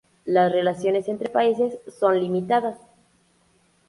Las relaciones entre países son limitadas.